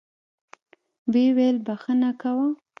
ويې ويل بخښه کوه.